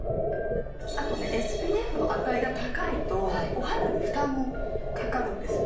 あとねＳＰＦの値が高いとお肌に負担もかかるんです。